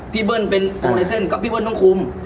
พี่เบิ้ลเป็นตรงในเส้นก็พี่เบิ้ลต้องคุม